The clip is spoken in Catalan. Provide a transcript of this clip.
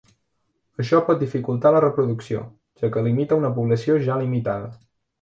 Això pot dificultar la reproducció, ja que limita una població ja limitada.